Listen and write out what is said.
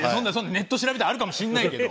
ネット調べたらあるかもしれないけど